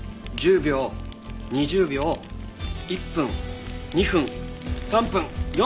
１０秒２０秒１分２分３分４分。